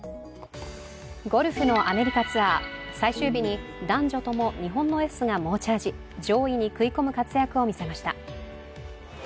ゴルフのアメリカツアー、最終日に男女とも日本のエースが猛チャージ上位に食い込む活躍を見せました。